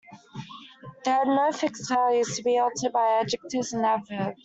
They had no fixed values, to be altered by adjectives and adverbs.